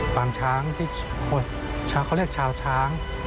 ปางช้างที่เขาเรียกชาวช้าง